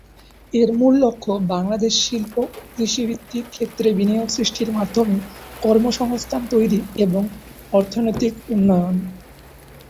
এর মূল লক্ষ্য বাংলাদেশে শিল্প ও কৃষি ভিত্তিক ক্ষেত্রে বিনিয়োগ সৃষ্টির মাধ্যমে কর্মসংস্থান তৈরী এবং অর্থনৈতিক উন্নয়ন।